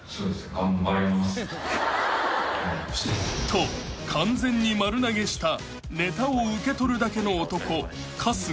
［と完全に丸投げしたネタを受け取るだけの男春日］